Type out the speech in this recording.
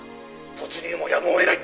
「突入もやむを得ない」